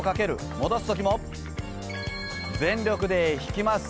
戻す時も全力で引きます。